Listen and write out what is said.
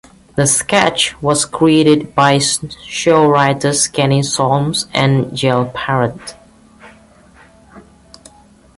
The sketch was created by show writers Kenny Solms and Gail Parent.